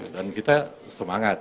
dan kita semangat